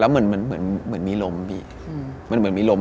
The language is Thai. แล้วมันเหมือนเป็นมีรม